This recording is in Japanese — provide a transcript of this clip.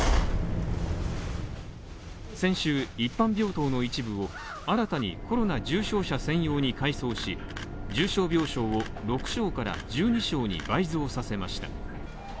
先週、一般病棟の一部を新たにコロナ重症者専用に改装し重症病床を６床から１２床に倍増させました。